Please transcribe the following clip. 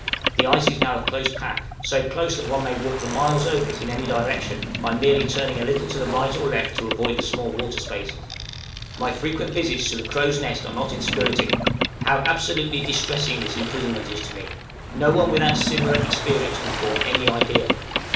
The ice is now a close pack, so close that one may walk for many miles over it in any direction, by merely turning a little to the right or left to avoid the small water spaces. My frequent visits to the crow's nest are not inspiriting: how absolutely distressing this imprisonment is to me, no one without similar experience can form any idea.